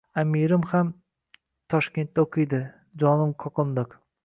— …Аmirim ham Toshkentda oʼqiydi, jonim qoqindiq!